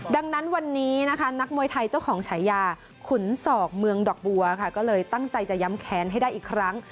ดังนั้นวันนี้นะคะนักมวยไทยเจ้าของฉายาขุนศอกเมืองดอกบัวค่ะก็เลยตั้งใจจะย้ำแค้นให้ได้อีกครั้ง